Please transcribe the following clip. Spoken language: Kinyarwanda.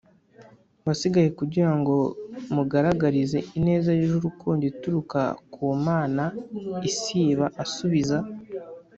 Wasigaye kugira ngo mugaragarize ineza yuje urukundo ituruka ku mana siba asubiza